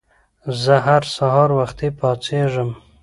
زه هر سهار وختي پاڅېږم.